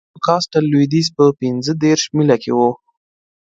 دا د نیوکاسټل لوېدیځ په پنځه دېرش میله کې و